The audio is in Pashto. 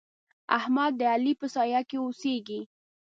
احمد د علي په سايه کې اوسېږي.